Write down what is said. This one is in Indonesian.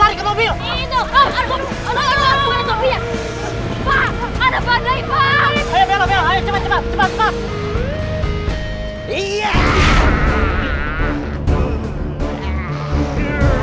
pak ada bandai pak